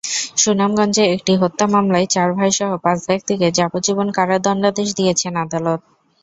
সুনামগঞ্জে একটি হত্যা মামলায় চার ভাইসহ পাঁচ ব্যক্তিকে যাবজ্জীবন কারাদণ্ডাদেশ দিয়েছেন আদালত।